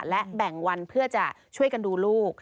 และแบ่งวันเพื่อจะช่วยกันดูลูก